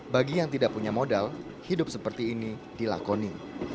bagi yang tidak punya modal hidup seperti ini dilakoni